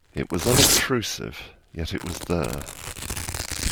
It was unobtrusive, yet it was there.